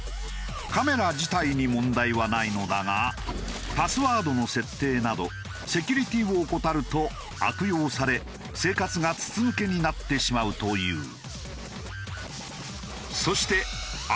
カメラ自体に問題はないのだがパスワードの設定などセキュリティーを怠ると悪用され生活が筒抜けになってしまうという。